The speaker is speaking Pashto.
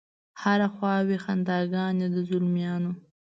هره خوا وي خنداګانې د زلمیانو